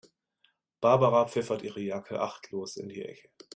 Barbara pfeffert ihre Jacke achtlos in die Ecke.